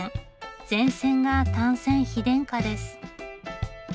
全線が単線・非電化です。